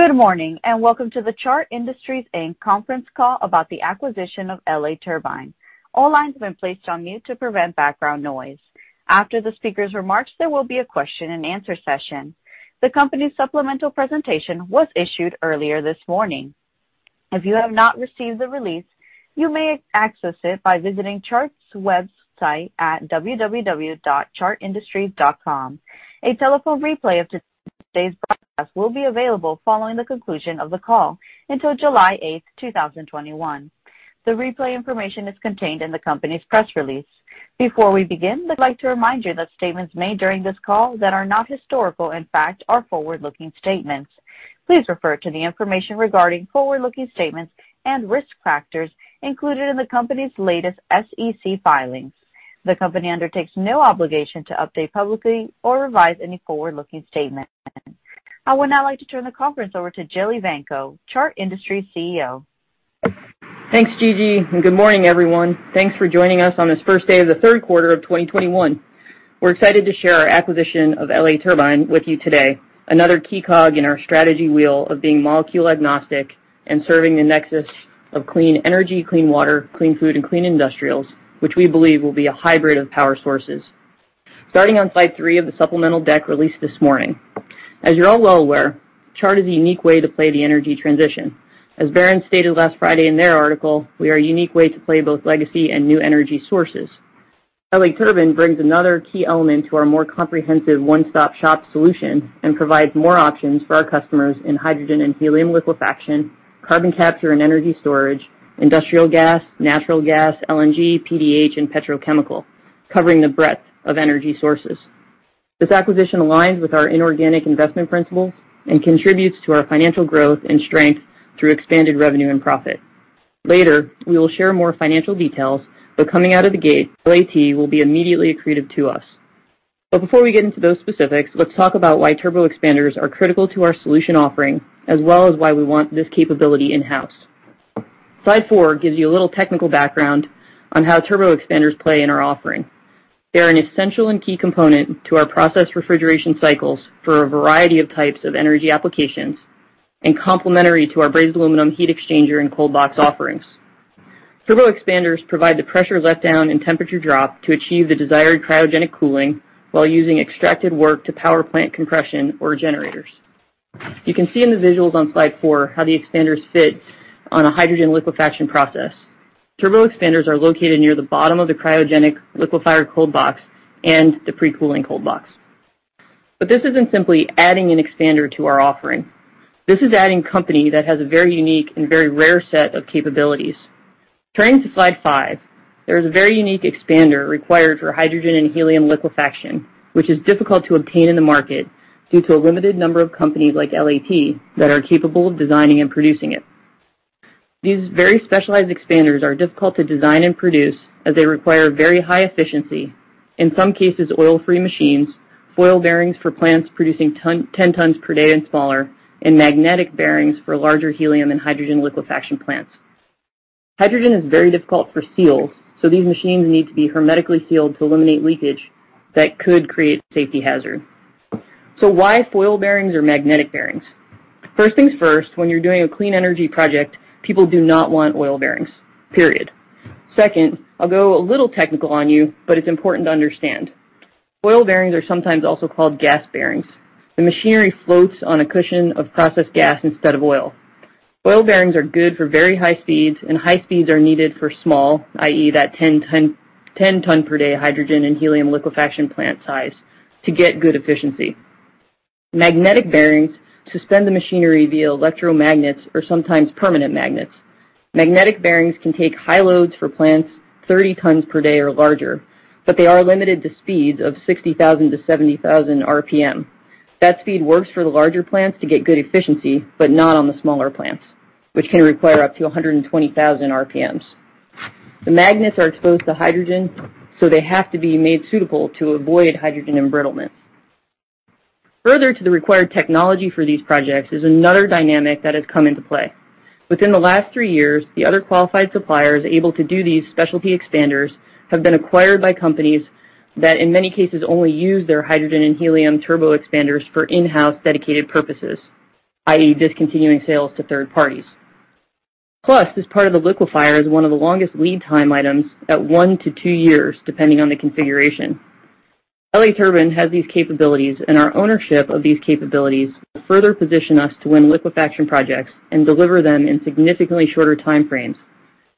Good morning and welcome to the Chart Industries Acquisition Conference Call about the acquisition of L.A. Turbine. All lines have been placed on mute to prevent background noise. After the speakers' remarks, there will be a question-and-answer session. The company's supplemental presentation was issued earlier this morning. If you have not received the release, you may access it by visiting Chart's website at www.chartindustries.com. A telephone replay of today's broadcast will be available following the conclusion of the call until July 8th, 2021. The replay information is contained in the company's press release. Before we begin, we'd like to remind you that statements made during this call that are not historical, in fact, are forward-looking statements. Please refer to the information regarding forward-looking statements and risk factors included in the company's latest SEC filings. The company undertakes no obligation to update publicly or revise any forward-looking statement. I would now like to turn the conference over to Jillian Evanko, Chart Industries CEO. Thanks, Gigi. Good morning, everyone. Thanks for joining us on this first day of the third quarter of 2021. We're excited to share our acquisition of L.A. Turbine with you today, another key cog in our strategy wheel of being molecule agnostic and serving the nexus of clean energy, clean water, clean food, and clean industrials, which we believe will be a hybrid of power sources. Starting on slide three of the supplemental deck released this morning, as you're all well aware, Chart is a unique way to play the energy transition. As Barron's stated last Friday in their article, we are a unique way to play both legacy and new energy sources. L.A. Turbine brings another key element to our more comprehensive one-stop-shop solution and provides more options for our customers in hydrogen and helium liquefaction, carbon capture and energy storage, industrial gas, natural gas, LNG, PDH, and petrochemical, covering the breadth of energy sources. This acquisition aligns with our inorganic investment principles and contributes to our financial growth and strength through expanded revenue and profit. Later, we will share more financial details, but coming out of the gate, LAT will be immediately accretive to us, but before we get into those specifics, let's talk about why turbo expanders are critical to our solution offering, as well as why we want this capability in-house. Slide four gives you a little technical background on how turbo expanders play in our offering. They are an essential and key component to our process refrigeration cycles for a variety of types of energy applications and complementary to our brazed aluminum heat exchanger and cold box offerings. Turbo expanders provide the pressure letdown and temperature drop to achieve the desired cryogenic cooling while using extracted work to power plant compression or generators. You can see in the visuals on slide four how the expanders fit on a hydrogen liquefaction process. Turbo expanders are located near the bottom of the cryogenic liquefied cold box and the pre-cooling cold box. But this isn't simply adding an expander to our offering. This is adding a company that has a very unique and very rare set of capabilities. Turning to slide five, there is a very unique expander required for hydrogen and helium liquefaction, which is difficult to obtain in the market due to a limited number of companies like LAT that are capable of designing and producing it. These very specialized expanders are difficult to design and produce as they require very high efficiency, in some cases oil-free machines, foil bearings for plants producing 10 tons per day and smaller, and magnetic bearings for larger helium and hydrogen liquefaction plants. Hydrogen is very difficult for seals, so these machines need to be hermetically sealed to eliminate leakage that could create a safety hazard. So why foil bearings or magnetic bearings? First things first, when you're doing a clean energy project, people do not want oil bearings, period. Second, I'll go a little technical on you, but it's important to understand. Oil bearings are sometimes also called gas bearings. The machinery floats on a cushion of processed gas instead of oil. Oil bearings are good for very high speeds, and high speeds are needed for small, i.e., that 10-ton per day hydrogen and helium liquefaction plant size to get good efficiency. Magnetic bearings suspend the machinery via electromagnets or sometimes permanent magnets. Magnetic bearings can take high loads for plants, 30 tons per day or larger, but they are limited to speeds of 60,000-70,000 RPM. That speed works for the larger plants to get good efficiency, but not on the smaller plants, which can require up to 120,000 RPMs. The magnets are exposed to hydrogen, so they have to be made suitable to avoid hydrogen embrittlement. Further to the required technology for these projects is another dynamic that has come into play. Within the last three years, the other qualified suppliers able to do these specialty expanders have been acquired by companies that, in many cases, only use their hydrogen and helium turboexpanders for in-house dedicated purposes, i.e., discontinuing sales to third parties. Plus, this part of the liquefier is one of the longest lead time items at one to two years, depending on the configuration. L.A. Turbine has these capabilities, and our ownership of these capabilities will further position us to win liquefaction projects and deliver them in significantly shorter time frames,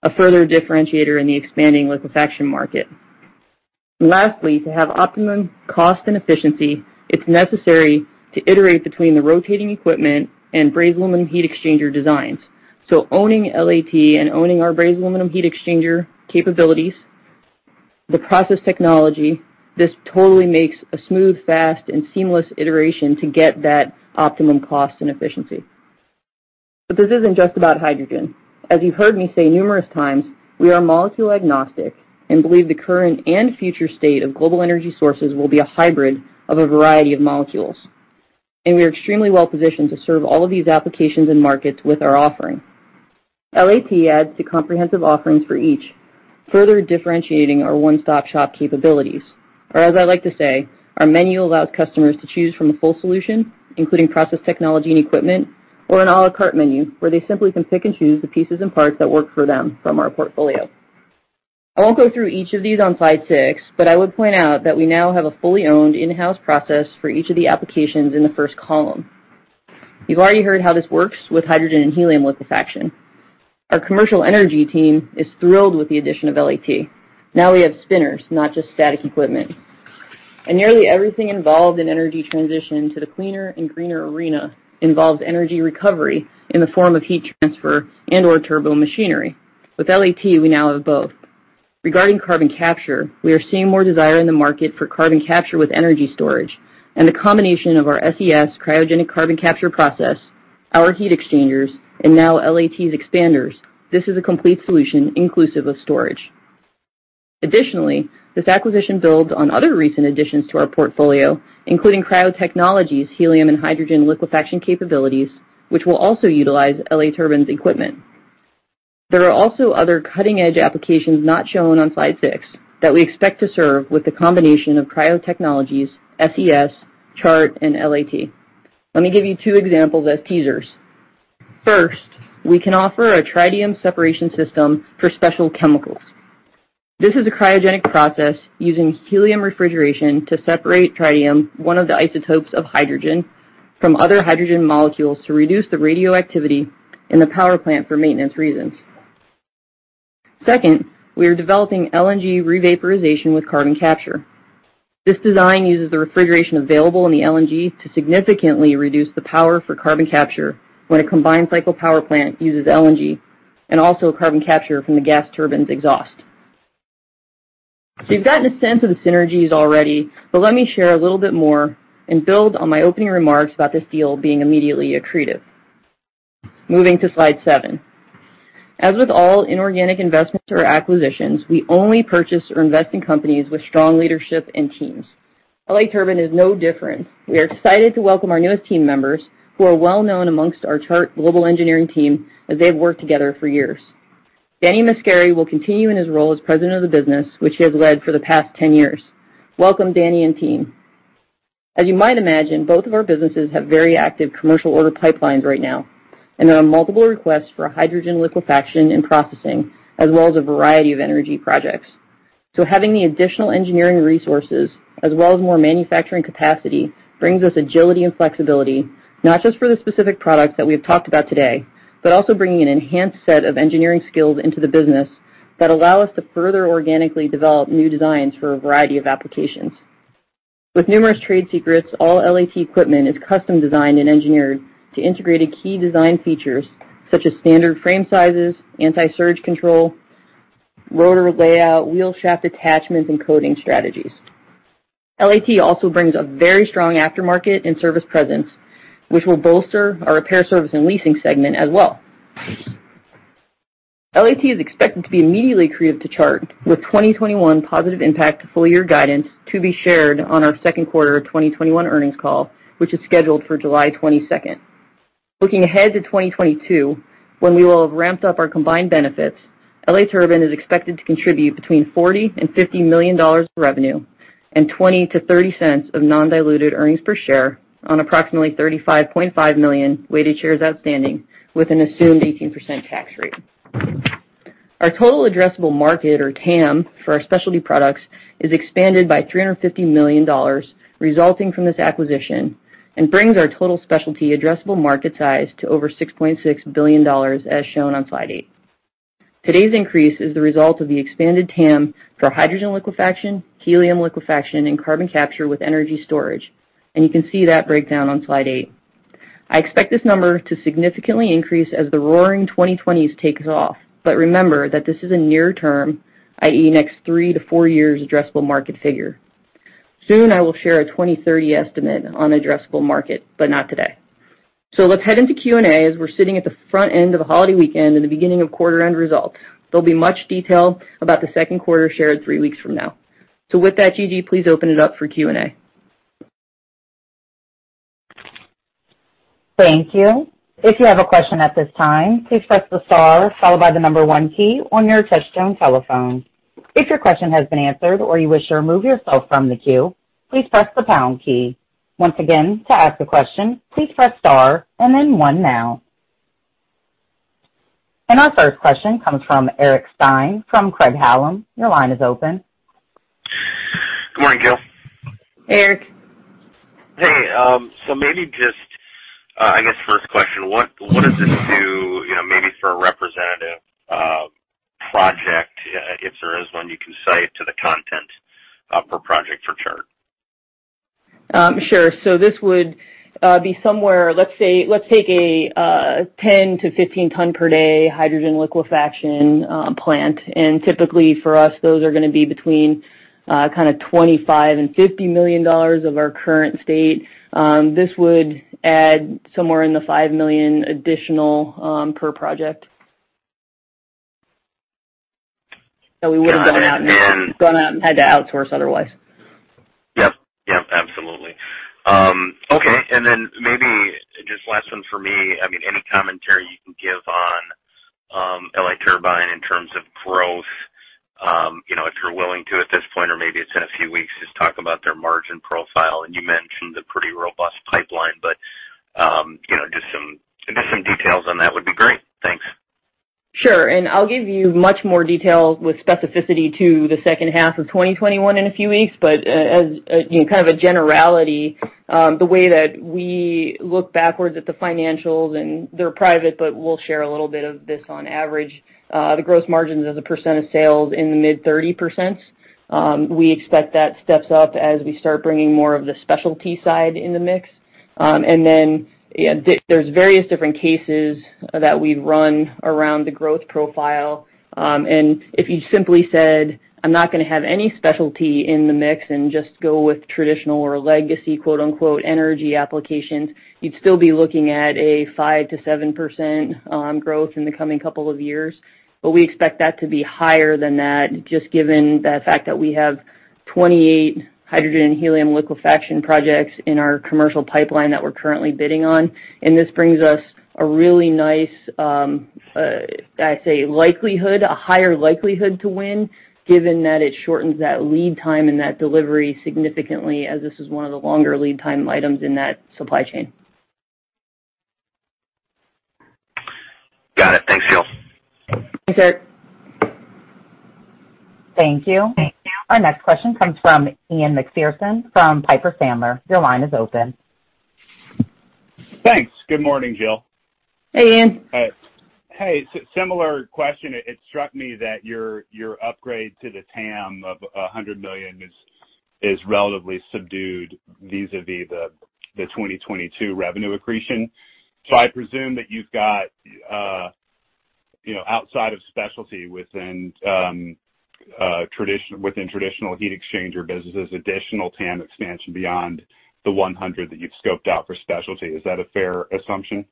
a further differentiator in the expanding liquefaction market. Lastly, to have optimum cost and efficiency, it's necessary to iterate between the rotating equipment and brazed aluminum heat exchanger designs. So owning LAT and owning our brazed aluminum heat exchanger capabilities, the process technology, this totally makes a smooth, fast, and seamless iteration to get that optimum cost and efficiency. But this isn't just about hydrogen. As you've heard me say numerous times, we are molecule agnostic and believe the current and future state of global energy sources will be a hybrid of a variety of molecules. And we are extremely well positioned to serve all of these applications and markets with our offering. LAT adds to comprehensive offerings for each, further differentiating our one-stop-shop capabilities. Or as I like to say, our menu allows customers to choose from a full solution, including process technology and equipment, or an à la carte menu where they simply can pick and choose the pieces and parts that work for them from our portfolio. I won't go through each of these on slide six, but I would point out that we now have a fully owned in-house process for each of the applications in the first column. You've already heard how this works with hydrogen and helium liquefaction. Our commercial energy team is thrilled with the addition of LAT. Now we have spinners, not just static equipment. And nearly everything involved in energy transition to the cleaner and greener arena involves energy recovery in the form of heat transfer and/or turbomachinery. With LAT, we now have both. Regarding carbon capture, we are seeing more desire in the market for carbon capture with energy storage. And the combination of our SES cryogenic carbon capture process, our heat exchangers, and now LAT's expanders, this is a complete solution inclusive of storage. Additionally, this acquisition builds on other recent additions to our portfolio, including Cryo Technologies' helium and hydrogen liquefaction capabilities, which will also utilize L.A. Turbine's equipment. There are also other cutting-edge applications not shown on slide six that we expect to serve with the combination of Cryo Technologies, SES, Chart, and LAT. Let me give you two examples as teasers. First, we can offer a tritium separation system for special chemicals. This is a cryogenic process using helium refrigeration to separate tritium, one of the isotopes of hydrogen, from other hydrogen molecules to reduce the radioactivity in the power plant for maintenance reasons. Second, we are developing LNG re-vaporization with carbon capture. This design uses the refrigeration available in the LNG to significantly reduce the power for carbon capture when a combined cycle power plant uses LNG and also carbon capture from the gas turbine's exhaust. So you've gotten a sense of the synergies already, but let me share a little bit more and build on my opening remarks about this deal being immediately accretive. Moving to slide seven. As with all inorganic investments or acquisitions, we only purchase or invest in companies with strong leadership and teams. L.A. Turbine is no different. We are excited to welcome our newest team members who are well known amongst our Chart Global Engineering team as they've worked together for years. Danny Mascari will continue in his role as president of the business, which he has led for the past 10 years. Welcome, Danny and team. As you might imagine, both of our businesses have very active commercial order pipelines right now, and there are multiple requests for hydrogen liquefaction and processing, as well as a variety of energy projects. Having the additional engineering resources, as well as more manufacturing capacity, brings us agility and flexibility, not just for the specific products that we have talked about today, but also bringing an enhanced set of engineering skills into the business that allow us to further organically develop new designs for a variety of applications. With numerous trade secrets, all LAT equipment is custom designed and engineered to integrate key design features such as standard frame sizes, anti-surge control, rotor layout, wheel shaft attachments, and coating strategies. LAT also brings a very strong aftermarket and service presence, which will bolster our repair service and leasing segment as well. LAT is expected to be immediately accretive to Chart with 2021 positive impact full-year guidance to be shared on our second quarter 2021 earnings call, which is scheduled for July 22nd. Looking ahead to 2022, when we will have ramped up our combined benefits, L.A. Turbine is expected to contribute between $40 million and $50 million of revenue and 20-30 cents of non-diluted earnings per share on approximately 35.5 million weighted shares outstanding with an assumed 18% tax rate. Our total addressable market, or TAM, for our specialty products is expanded by $350 million resulting from this acquisition and brings our total specialty addressable market size to over $6.6 billion as shown on slide eight. Today's increase is the result of the expanded TAM for hydrogen liquefaction, helium liquefaction, and carbon capture with energy storage, and you can see that breakdown on slide eight. I expect this number to significantly increase as the roaring 2020s take off, but remember that this is a near term, i.e., next three to four years addressable market figure. Soon I will share a 2030 estimate on addressable market, but not today. So let's head into Q&A as we're sitting at the front end of the holiday weekend and the beginning of quarter-end results. There'll be much detail about the second quarter shared three weeks from now. So with that, Gigi, please open it up for Q&A. Thank you. If you have a question at this time, please press the star followed by the number one key on your touch-tone telephone. If your question has been answered or you wish to remove yourself from the queue, please press the pound key. Once again, to ask a question, please press star and then one now, and our first question comes from Eric Stine from Craig-Hallum. Your line is open. Good morning, Jill. Hey, Eric. Hey. So maybe just, I guess, first question, what does this do maybe for a representative project, if there is one, you can cite to the cost per project for Chart? Sure. So this would be somewhere, let's take a 10-15-ton per day hydrogen liquefaction plant. And typically for us, those are going to be between kind of $25-$50 million of our current state. This would add somewhere in the $5 million additional per project. So we would have gone out and had to outsource otherwise. Yep. Yep. Absolutely. Okay. And then maybe just last one for me. I mean, any commentary you can give on L.A. Turbine in terms of growth, if you're willing to at this point, or maybe it's in a few weeks, just talk about their margin profile. And you mentioned a pretty robust pipeline, but just some details on that would be great. Thanks. Sure. And I'll give you much more detail with specificity to the second half of 2021 in a few weeks, but as kind of a generality, the way that we look backwards at the financials, and they're private, but we'll share a little bit of this on average. The gross margins as a percent of sales in the mid-30s%. We expect that steps up as we start bringing more of the specialty side in the mix. And then there's various different cases that we run around the growth profile. And if you simply said, "I'm not going to have any specialty in the mix and just go with traditional or legacy quote-unquote energy applications," you'd still be looking at a 5%-7% growth in the coming couple of years. But we expect that to be higher than that, just given the fact that we have 28 hydrogen and helium liquefaction projects in our commercial pipeline that we're currently bidding on. And this brings us a really nice, I'd say, likelihood, a higher likelihood to win, given that it shortens that lead time and that delivery significantly, as this is one of the longer lead time items in that supply chain. Got it. Thanks, Jill. Thanks, Eric. Thank you. Our next question comes from Ian Macpherson from Piper Sandler. Your line is open. Thanks. Good morning, Jill. Hey, Ian. Hey. Similar question. It struck me that your upgrade to the TAM of $100 million is relatively subdued vis-à-vis the 2022 revenue accretion. So I presume that you've got, outside of specialty within traditional heat exchanger businesses, additional TAM expansion beyond the $100 million that you've scoped out for specialty. Is that a fair assumption?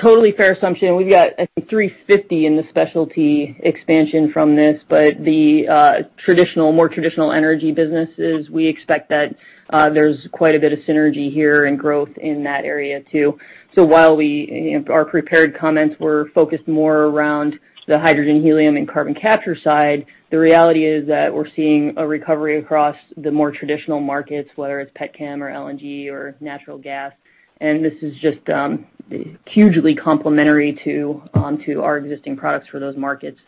Totally fair assumption. We've got 350 in the specialty expansion from this, but the more traditional energy businesses, we expect that there's quite a bit of synergy here and growth in that area too, so while our prepared comments were focused more around the hydrogen, helium, and carbon capture side, the reality is that we're seeing a recovery across the more traditional markets, whether it's Petchem or LNG or natural gas, and this is just hugely complementary to our existing products for those markets,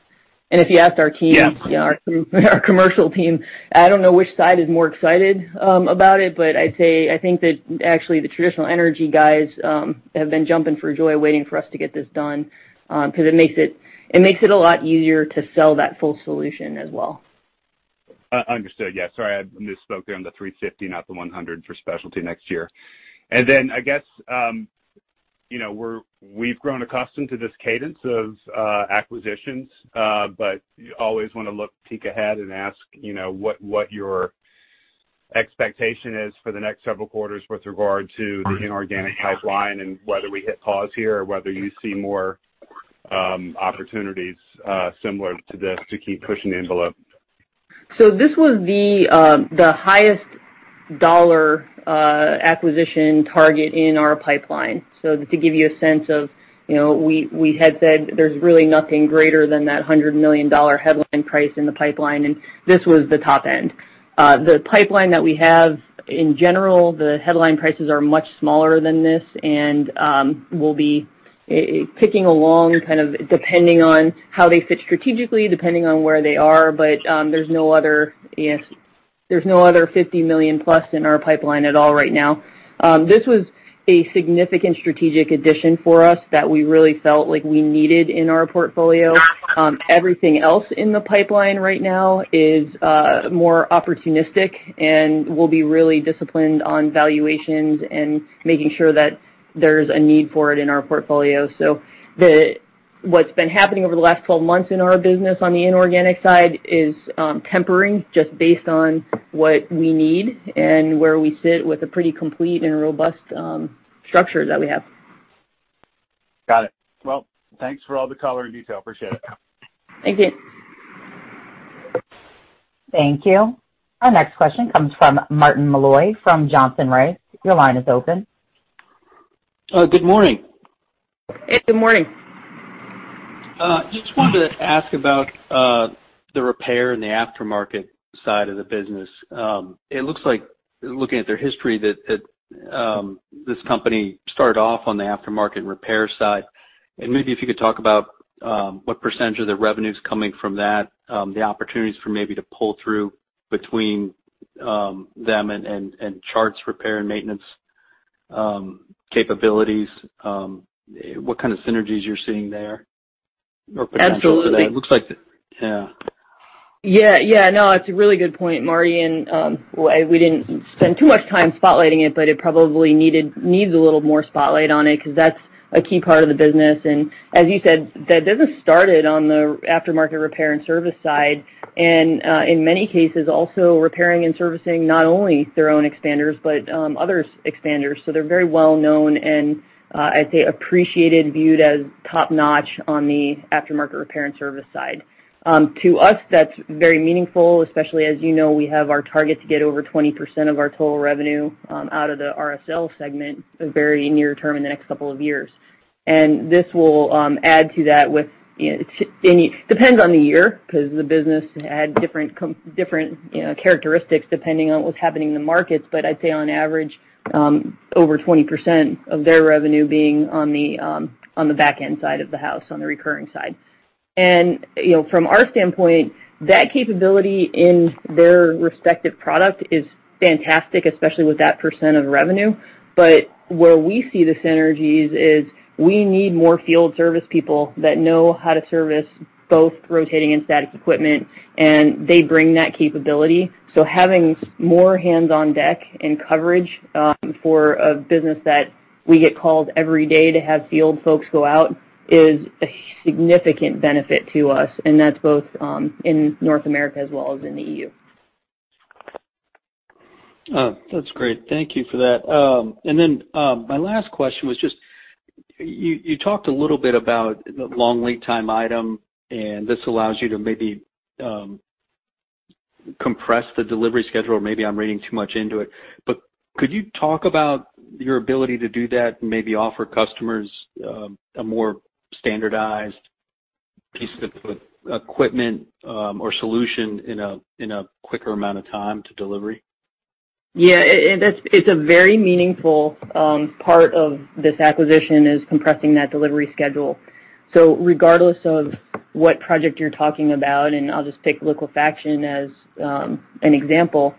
and if you asked our team, our commercial team, I don't know which side is more excited about it, but I'd say I think that actually the traditional energy guys have been jumping for joy, waiting for us to get this done because it makes it a lot easier to sell that full solution as well. Understood. Yeah. Sorry, I misspoke there on the 350, not the 100 for specialty next year. And then I guess we've grown accustomed to this cadence of acquisitions, but always want to look, peek ahead and ask what your expectation is for the next several quarters with regard to the inorganic pipeline and whether we hit pause here or whether you see more opportunities similar to this to keep pushing the envelope. So this was the highest dollar acquisition target in our pipeline. So to give you a sense of we had said there's really nothing greater than that $100 million headline price in the pipeline, and this was the top end. The pipeline that we have in general, the headline prices are much smaller than this and will be ticking along kind of depending on how they fit strategically, depending on where they are. But there's no other $50 million plus in our pipeline at all right now. This was a significant strategic addition for us that we really felt like we needed in our portfolio. Everything else in the pipeline right now is more opportunistic and will be really disciplined on valuations and making sure that there's a need for it in our portfolio. So what's been happening over the last 12 months in our business on the inorganic side is tempering just based on what we need and where we sit with a pretty complete and robust structure that we have. Got it. Well, thanks for all the color and detail. Appreciate it. Thank you. Thank you. Our next question comes from Martin Malloy from Johnson Rice. Your line is open. Good morning. Hey, good morning. Just wanted to ask about the repair and the aftermarket side of the business. It looks like, looking at their history, that this company started off on the aftermarket and repair side, and maybe if you could talk about what percentage of the revenue is coming from that, the opportunities for maybe to pull through between them and Chart's repair and maintenance capabilities, what kind of synergies you're seeing there or potential there. Absolutely. It looks like that. Yeah. Yeah. Yeah. No, it's a really good point, Marty. And we didn't spend too much time spotlighting it, but it probably needs a little more spotlight on it because that's a key part of the business. And as you said, that business started on the aftermarket repair and service side. And in many cases, also repairing and servicing not only their own expanders, but others' expanders. So they're very well known and, I'd say, appreciated, viewed as top-notch on the aftermarket repair and service side. To us, that's very meaningful, especially as you know, we have our target to get over 20% of our total revenue out of the RSL segment very near term in the next couple of years. And this will add to that anyway. It depends on the year because the business had different characteristics depending on what's happening in the markets. But I'd say on average, over 20% of their revenue being on the back end side of the house, on the recurring side. And from our standpoint, that capability in their respective product is fantastic, especially with that percent of revenue. But where we see the synergies is we need more field service people that know how to service both rotating and static equipment, and they bring that capability. So having more hands on deck and coverage for a business that we get called every day to have field folks go out is a significant benefit to us. And that's both in North America as well as in the EU. That's great. Thank you for that. And then my last question was just you talked a little bit about the long lead time item, and this allows you to maybe compress the delivery schedule, or maybe I'm reading too much into it. But could you talk about your ability to do that and maybe offer customers a more standardized piece of equipment or solution in a quicker amount of time to delivery? Yeah. It's a very meaningful part of this acquisition, compressing that delivery schedule. So regardless of what project you're talking about, and I'll just pick liquefaction as an example,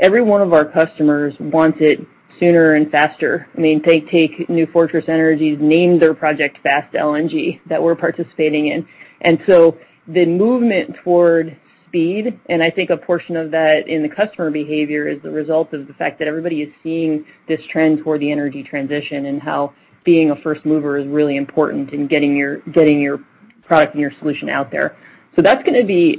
every one of our customers wants it sooner and faster. I mean, they take New Fortress Energy's name their project Fast LNG that we're participating in. And so the movement toward speed, and I think a portion of that in the customer behavior is the result of the fact that everybody is seeing this trend toward the energy transition and how being a first mover is really important in getting your product and your solution out there. So that's going to be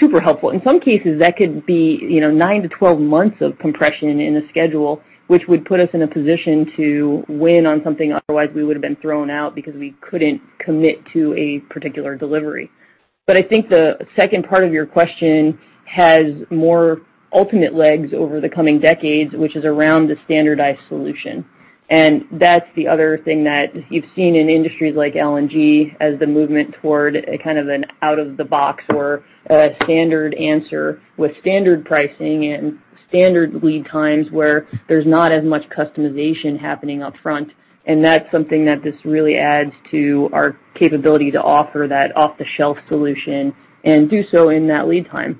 super helpful. In some cases, that could be nine to 12 months of compression in the schedule, which would put us in a position to win on something. Otherwise, we would have been thrown out because we couldn't commit to a particular delivery. But I think the second part of your question has more ultimate legs over the coming decades, which is around the standardized solution. And that's the other thing that you've seen in industries like LNG as the movement toward kind of an out-of-the-box or a standard answer with standard pricing and standard lead times where there's not as much customization happening upfront. And that's something that this really adds to our capability to offer that off-the-shelf solution and do so in that lead time.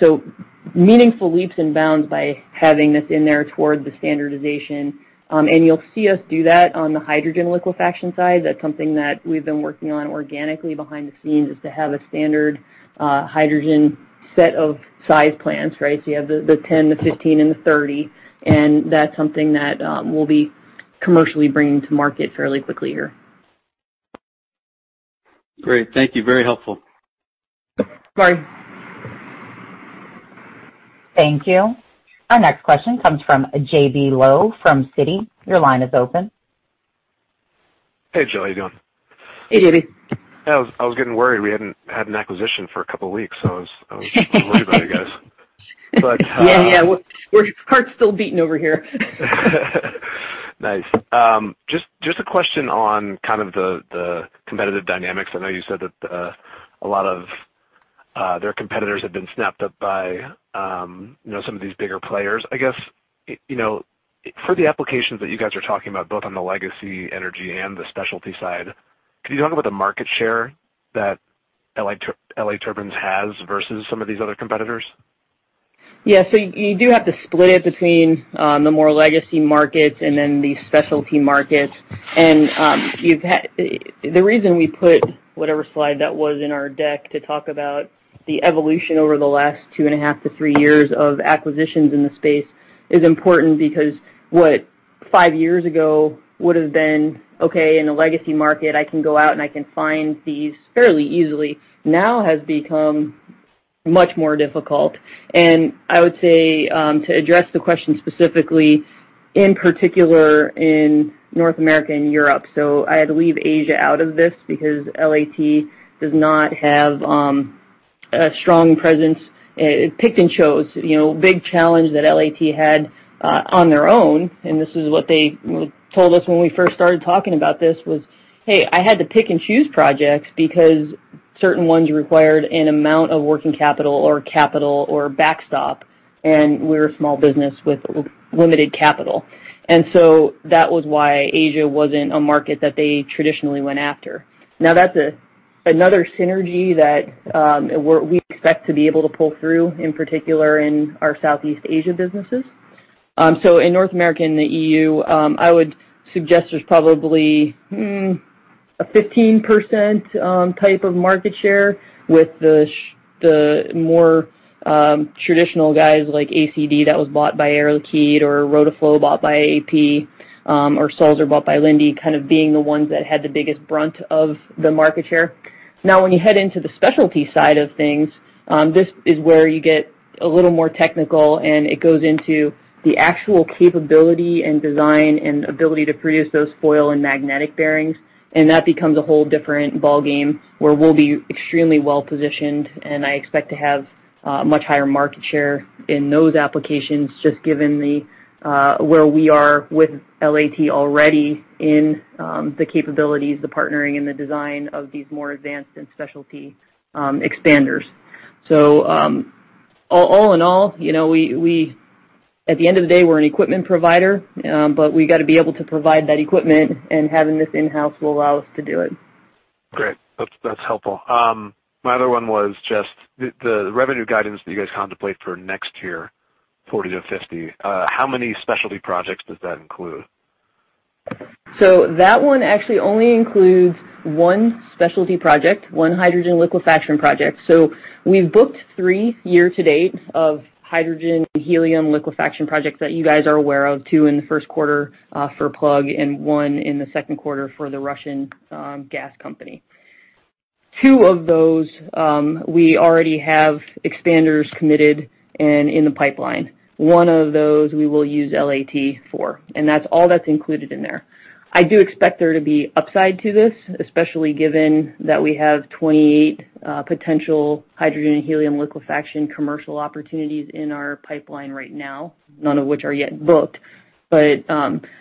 So meaningful leaps and bounds by having this in there toward the standardization. And you'll see us do that on the hydrogen liquefaction side. That's something that we've been working on organically behind the scenes is to have a standard hydrogen set of sized plans, right? So you have the 10, the 15, and the 30. And that's something that we'll be commercially bringing to market fairly quickly here. Great. Thank you. Very helpful. Marty. Thank you. Our next question comes from J.B. Lowe from Citi. Your line is open. Hey, Jill. How you doing? Hey, JB. I was getting worried. We hadn't had an acquisition for a couple of weeks, so I was worried about you guys. Yeah. Yeah. Heart's still beating over here. Nice. Just a question on kind of the competitive dynamics. I know you said that a lot of their competitors have been snapped up by some of these bigger players. I guess for the applications that you guys are talking about, both on the legacy energy and the specialty side, could you talk about the market share that L.A. Turbine has versus some of these other competitors? Yeah. So you do have to split it between the more legacy markets and then the specialty markets. And the reason we put whatever slide that was in our deck to talk about the evolution over the last two and a half to three years of acquisitions in the space is important because what five years ago would have been, "Okay, in a legacy market, I can go out and I can find these fairly easily," now has become much more difficult. And I would say to address the question specifically, in particular in North America and Europe. So I had to leave Asia out of this because LAT does not have a strong presence. Picked and chose, big challenge that LAT had on their own. And this is what they told us when we first started talking about this was, "Hey, I had to pick and choose projects because certain ones required an amount of working capital or capital or backstop, and we're a small business with limited capital." And so that was why Asia wasn't a market that they traditionally went after. Now, that's another synergy that we expect to be able to pull through, in particular in our Southeast Asia businesses. So in North America and the EU, I would suggest there's probably a 15% type of market share with the more traditional guys like ACD that was bought by Air Liquide or Rotoflow bought by AP or Sulzer bought by Linde kind of being the ones that had the biggest brunt of the market share. Now, when you head into the specialty side of things, this is where you get a little more technical, and it goes into the actual capability and design and ability to produce those foil and magnetic bearings, and that becomes a whole different ballgame where we'll be extremely well positioned, and I expect to have much higher market share in those applications just given where we are with LAT already in the capabilities, the partnering, and the design of these more advanced and specialty expanders, so all in all, at the end of the day, we're an equipment provider, but we got to be able to provide that equipment, and having this in-house will allow us to do it. Great. That's helpful. My other one was just the revenue guidance that you guys contemplate for next year, $40-$50. How many specialty projects does that include? That one actually only includes one specialty project, one hydrogen liquefaction project. We've booked three year-to-date of hydrogen helium liquefaction projects that you guys are aware of, two in the first quarter for Plug and one in the second quarter for the Russian gas company. Two of those, we already have expanders committed and in the pipeline. One of those we will use LAT for. And that's all that's included in there. I do expect there to be upside to this, especially given that we have 28 potential hydrogen helium liquefaction commercial opportunities in our pipeline right now, none of which are yet booked. But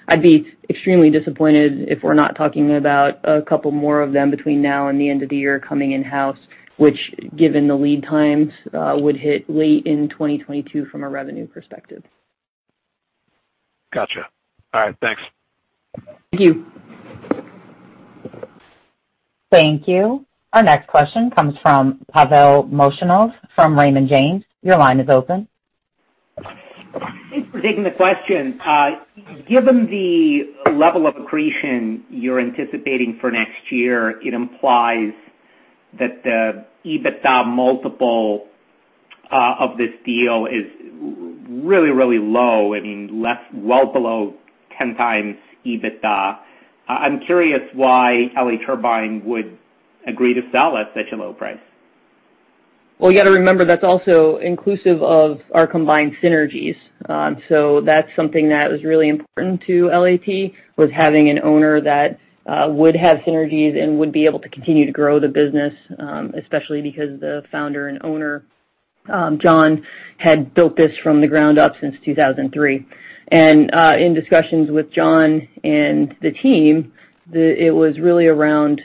I'd be extremely disappointed if we're not talking about a couple more of them between now and the end of the year coming in-house, which, given the lead times, would hit late in 2022 from a revenue perspective. Gotcha. All right. Thanks. Thank you. Thank you. Our next question comes from Pavel Molchanov from Raymond James. Your line is open. Thanks for taking the question. Given the level of accretion you're anticipating for next year, it implies that the EBITDA multiple of this deal is really, really low. I mean, well below 10 times EBITDA. I'm curious why L.A. Turbine would agree to sell at such a low price. Well, you got to remember that's also inclusive of our combined synergies. So that's something that was really important to LAT, was having an owner that would have synergies and would be able to continue to grow the business, especially because the founder and owner, John, had built this from the ground up since 2003. And in discussions with John and the team, it was really around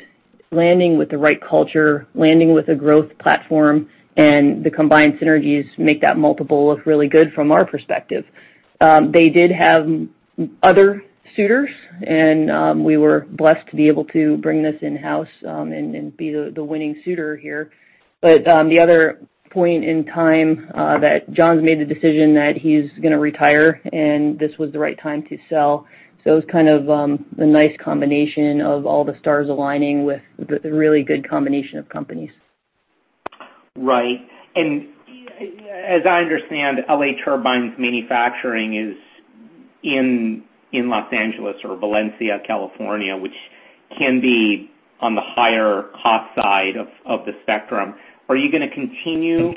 landing with the right culture, landing with a growth platform, and the combined synergies make that multiple look really good from our perspective. They did have other suitors, and we were blessed to be able to bring this in-house and be the winning suitor here. But the other point in time that John's made the decision that he's going to retire, and this was the right time to sell. So it was kind of a nice combination of all the stars aligning with a really good combination of companies. Right. And as I understand, L.A. Turbine's manufacturing is in Los Angeles or Valencia, California, which can be on the higher cost side of the spectrum. Are you going to continue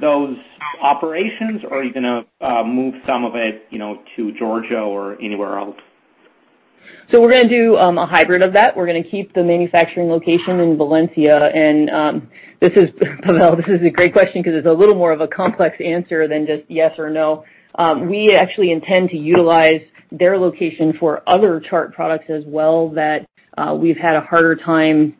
those operations, or are you going to move some of it to Georgia or anywhere else? So we're going to do a hybrid of that. We're going to keep the manufacturing location in Valencia. And this is, Pavel, this is a great question because it's a little more of a complex answer than just yes or no. We actually intend to utilize their location for other Chart products as well that we've had a harder time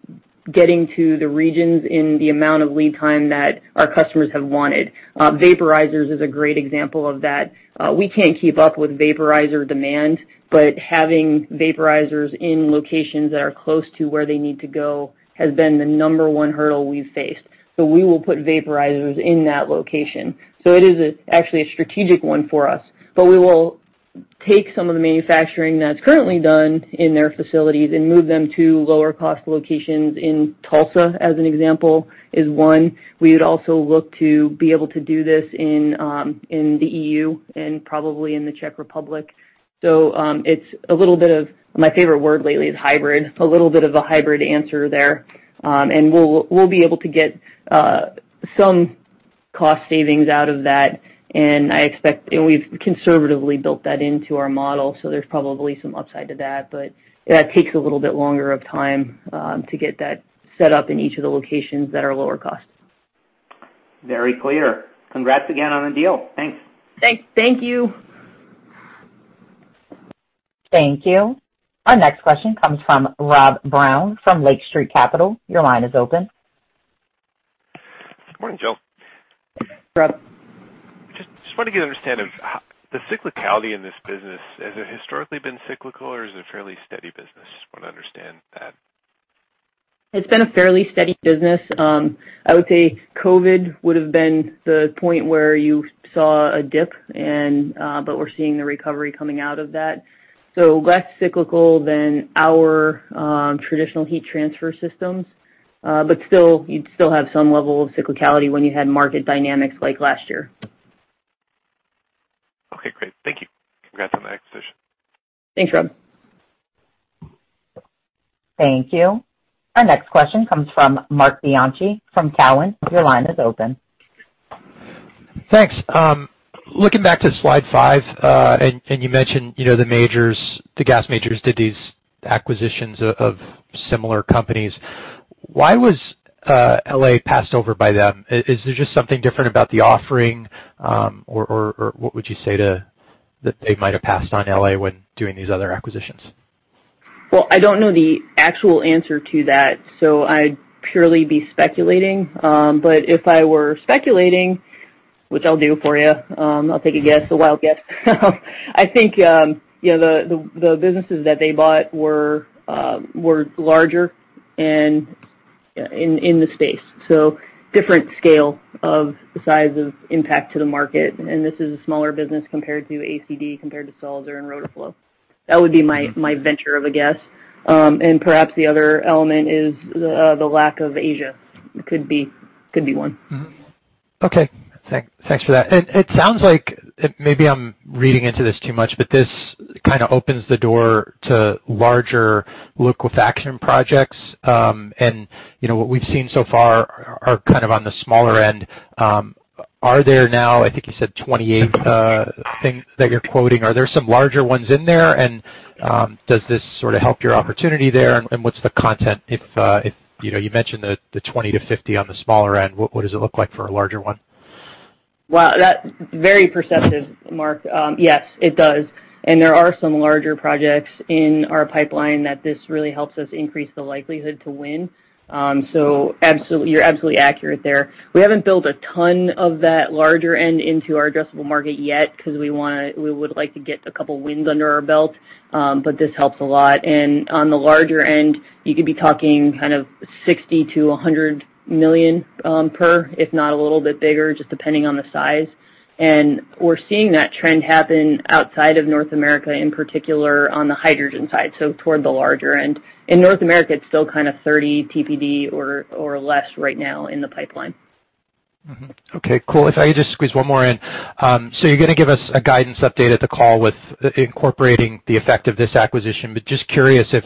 getting to the regions in the amount of lead time that our customers have wanted. Vaporizers is a great example of that. We can't keep up with vaporizer demand, but having vaporizers in locations that are close to where they need to go has been the number one hurdle we've faced. So we will put vaporizers in that location. So it is actually a strategic one for us. But we will take some of the manufacturing that's currently done in their facilities and move them to lower-cost locations. In Tulsa, as an example, is one. We would also look to be able to do this in the EU and probably in the Czech Republic, so it's a little bit of my favorite word lately, is hybrid, a little bit of a hybrid answer there, and we'll be able to get some cost savings out of that. And I expect we've conservatively built that into our model, so there's probably some upside to that, but that takes a little bit longer of time to get that set up in each of the locations that are lower cost. Very clear. Congrats again on the deal. Thanks. Thanks. Thank you. Thank you. Our next question comes from Rob Brown from Lake Street Capital. Your line is open. Good morning, Jill. Hey, Rob. Just want to get an understanding of the cyclicality in this business. Has it historically been cyclical, or is it a fairly steady business? Want to understand that. It's been a fairly steady business. I would say COVID would have been the point where you saw a dip, but we're seeing the recovery coming out of that. So less cyclical than our traditional heat transfer systems, but still you'd have some level of cyclicality when you had market dynamics like last year. Okay. Great. Thank you. Congrats on the acquisition. Thanks, Rob. Thank you. Our next question comes from Marc Bianchi from Cowen. Your line is open. Thanks. Looking back to slide five, and you mentioned the gas majors did these acquisitions of similar companies. Why was L.A. passed over by them? Is there just something different about the offering, or what would you say that they might have passed on L.A. when doing these other acquisitions? I don't know the actual answer to that, so I'd purely be speculating. If I were speculating, which I'll do for you, I'll take a guess, a wild guess. I think the businesses that they bought were larger in the space. So different scale of the size of impact to the market. And this is a smaller business compared to ACD, compared to Sulzer and Rotoflow. That would be my venture a guess. And perhaps the other element is the lack of Asia could be one. Okay. Thanks for that. It sounds like maybe I'm reading into this too much, but this kind of opens the door to larger liquefaction projects. And what we've seen so far are kind of on the smaller end. Are there now, I think you said 28 things that you're quoting? Are there some larger ones in there, and does this sort of help your opportunity there, and what's the content? If you mentioned the 20 to 50 on the smaller end, what does it look like for a larger one? That's very perceptive, Mark. Yes, it does. And there are some larger projects in our pipeline that this really helps us increase the likelihood to win. So you're absolutely accurate there. We haven't built a ton of that larger end into our addressable market yet because we would like to get a couple of wins under our belt, but this helps a lot. And on the larger end, you could be talking kind of $60 million-$100 million per, if not a little bit bigger, just depending on the size. And we're seeing that trend happen outside of North America in particular on the hydrogen side, so toward the larger end. In North America, it's still kind of 30 TPD or less right now in the pipeline. Okay. Cool. If I could just squeeze one more in. So you're going to give us a guidance update at the call with incorporating the effect of this acquisition, but just curious if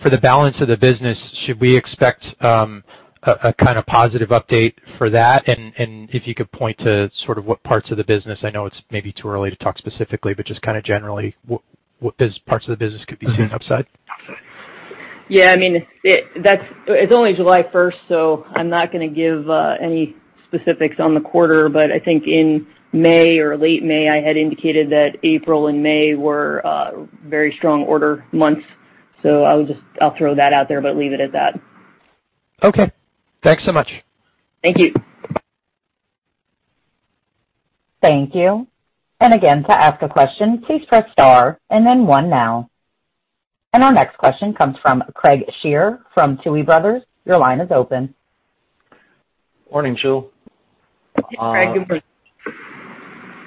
for the balance of the business, should we expect a kind of positive update for that? And if you could point to sort of what parts of the business, I know it's maybe too early to talk specifically, but just kind of generally what parts of the business could be seeing upside? Yeah. I mean, it's only July 1st, so I'm not going to give any specifics on the quarter. But I think in May or late May, I had indicated that April and May were very strong order months. So I'll throw that out there, but leave it at that. Okay. Thanks so much. Thank you. Thank you. And again, to ask a question, please press star and then one now. And our next question comes from Craig Shere from Tuohy Brothers. Your line is open. Morning, Jill. Hi, Craig.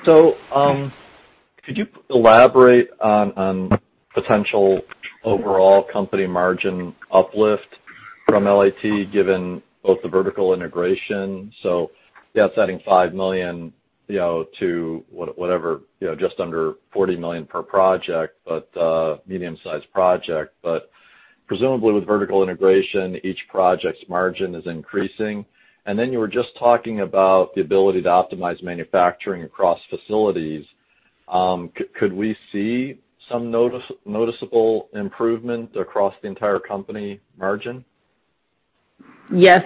So could you elaborate on potential overall company margin uplift from LAT given both the vertical integration? So yeah, it's adding $5 million to whatever, just under $40 million per project, but medium-sized project. But presumably with vertical integration, each project's margin is increasing. And then you were just talking about the ability to optimize manufacturing across facilities. Could we see some noticeable improvement across the entire company margin? Yes.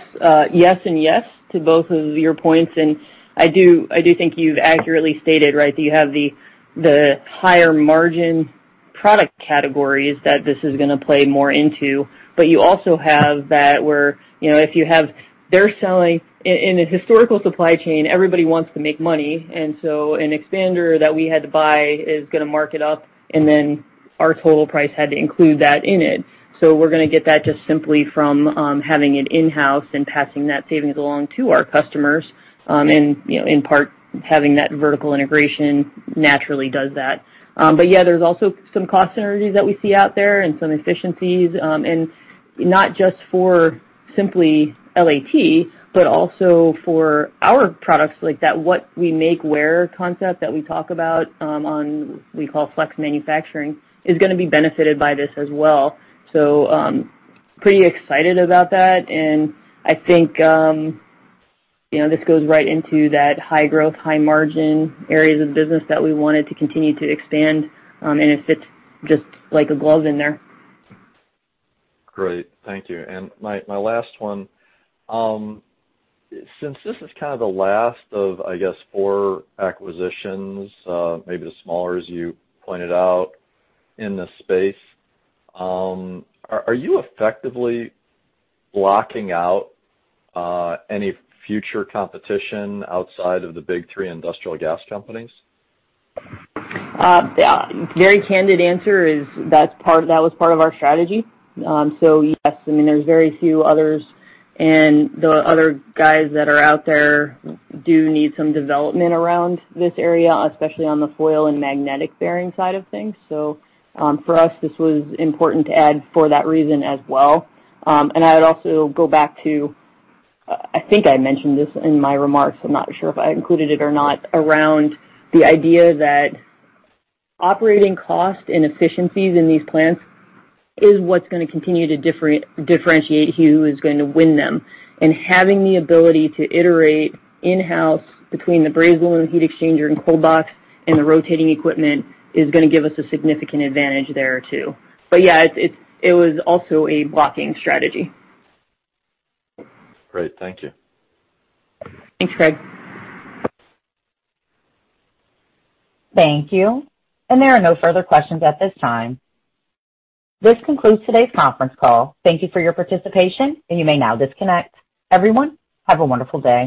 Yes and yes to both of your points. And I do think you've accurately stated, right, that you have the higher margin product categories that this is going to play more into. But you also have that where if you have they're selling in a historical supply chain, everybody wants to make money. And so an expander that we had to buy is going to mark it up, and then our total price had to include that in it. So we're going to get that just simply from having it in-house and passing that savings along to our customers. And in part, having that vertical integration naturally does that. But yeah, there's also some cost synergies that we see out there and some efficiencies. And not just for simply LAT, but also for our products like that, what we make where concept that we talk about on what we call flex manufacturing is going to be benefited by this as well. So pretty excited about that. And I think this goes right into that high-growth, high-margin areas of business that we wanted to continue to expand. And it fits just like a glove in there. Great. Thank you. And my last one, since this is kind of the last of, I guess, four acquisitions, maybe the smaller as you pointed out in this space, are you effectively blocking out any future competition outside of the big three industrial gas companies? Yeah. A very candid answer is that was part of our strategy. So yes, I mean, there's very few others. And the other guys that are out there do need some development around this area, especially on the foil and magnetic bearing side of things. So for us, this was important to add for that reason as well. And I would also go back to, I think I mentioned this in my remarks, I'm not sure if I included it or not, around the idea that operating cost and efficiencies in these plants is what's going to continue to differentiate who is going to win them. And having the ability to iterate in-house between the BAHX and the heat exchanger and cold box and the rotating equipment is going to give us a significant advantage there too. But yeah, it was also a blocking strategy. Great. Thank you. Thanks, Craig. Thank you. And there are no further questions at this time. This concludes today's conference call. Thank you for your participation, and you may now disconnect. Everyone, have a wonderful day.